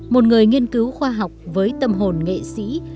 một người nghiên cứu khoa học với tâm hồn nghệ sĩ